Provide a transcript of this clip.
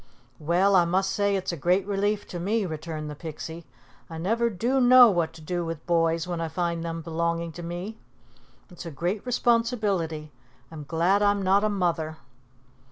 "Well, I must say it's a great relief to me," returned the Pixie. "I never do know what to do with boys when I find them belonging to me. It's a great responsibility. I'm glad I'm not a mother."